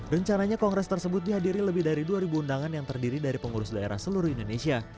rencananya kongres tersebut dihadiri lebih dari dua ribu undangan yang terdiri dari pengurus daerah seluruh indonesia